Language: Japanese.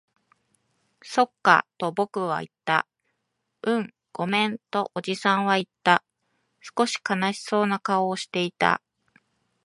そっか、と僕は言った。うん、ごめん、とおじさんは言った。少し悲しそうな顔をしていた。